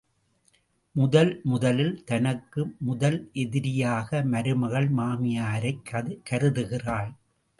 முதல் முதலில் தனக்கு முதல் எதிரியாக மருமகள் மாமியாரைக் கருதுகிறாள்.